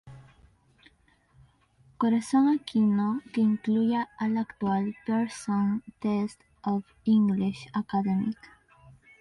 Corazón Aquino, que incluye al actual Pte.